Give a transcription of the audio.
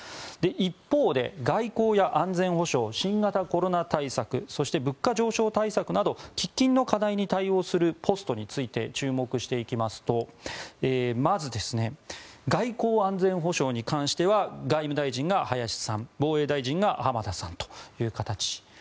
一方、外交や安全保障新型コロナ対策そして物価上昇対策など喫緊の課題に対応するポストについて注目していきますとまず、外交安全保障に関しては外務大臣が林さん防衛大臣が浜田さんという形。